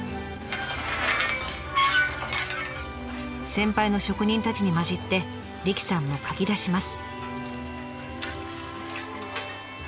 先輩の職人たちに交じって理妃さんもかき出します。